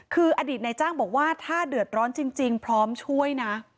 คืออดีตในจ้างบอกว่าถ้าเดือดร้อนจริงพร้อมช่วยนะ